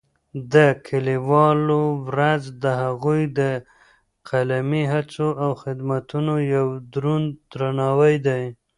د لیکوالو ورځ د هغوی د قلمي هڅو او خدمتونو یو دروند درناوی دی.